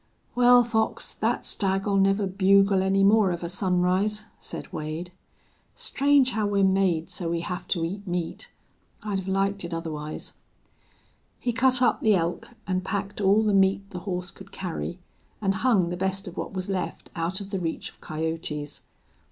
"Well, Fox, that stag'll never bugle any more of a sunrise," said Wade. "Strange how we're made so we have to eat meat! I'd 'a' liked it otherwise." He cut up the elk, and packed all the meat the horse could carry, and hung the best of what was left out of the reach of coyotes.